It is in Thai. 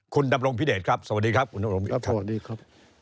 คุณดำรงพิเทศครับสวัสดีครับคุณดำรงพิเทศครับสวัสดีครับ